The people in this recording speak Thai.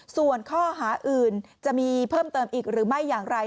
ส่วนข้อหาอื่นจะมีเพิ่มเติมอีกหรือไม่อย่างไร